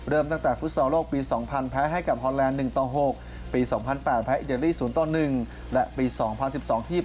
เริ่มตั้งแต่ฟุตซอลโลกปี๒๐๐๐